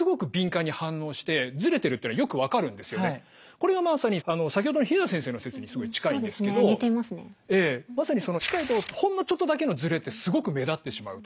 これがまさに先ほどの日永田先生の説にすごい近いんですけどまさにほんのちょっとだけのズレってすごく目立ってしまうと。